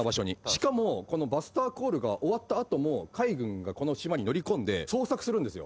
しかもこのバスターコールが終わった後も海軍がこの島に乗り込んで捜索するんですよ。